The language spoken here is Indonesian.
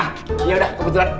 hah yaudah kebunjulan